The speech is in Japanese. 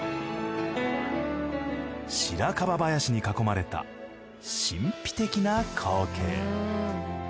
白樺林に囲まれた神秘的な光景。